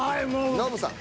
ノブさん。